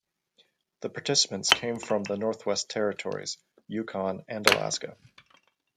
The participants came from the Northwest Territories, Yukon and Alaska.